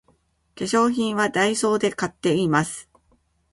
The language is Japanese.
化粧品はダイソーで買っています